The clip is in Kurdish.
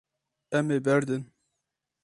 Em ê berdin.